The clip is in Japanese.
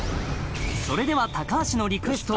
それでは橋のリクエスト